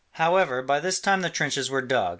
However by this time the trenches were dug.